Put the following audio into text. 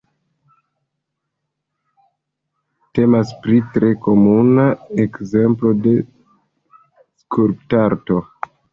Temas pri tre komuna ekzemplo de skulptarto.